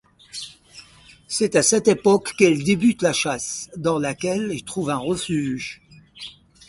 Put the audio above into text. C'est à cette époque qu'il débute la chasse, dans laquelle il trouve un refuge.